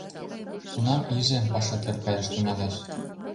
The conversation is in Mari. Тунам иже паша тӧр каяш тӱҥалеш.